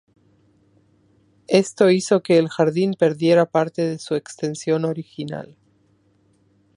Esto hizo que el jardín perdiera parte de su extensión original.